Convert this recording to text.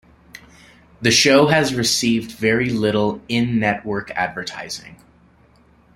The show has received very little in-network advertising.